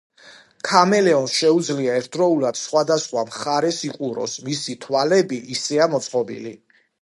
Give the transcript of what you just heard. ქამელეონს შეუძლია ერთდროულად სხვადასხვა მხარეს იყუროს, მისი თვალები ისეა მოწყობილი.